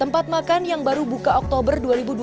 tempat makan yang baru buka oktober dua ribu dua puluh